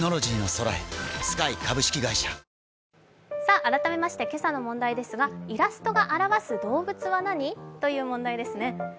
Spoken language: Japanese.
改めまして今朝の問題ですがイラストが表す動物は何という問題ですね。